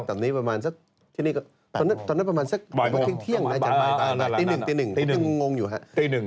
ตอนนี้ประมาณสักตอนนั้นประมาณสักเที่ยงไหมอาจารย์ตี๑ตี๑ตี๑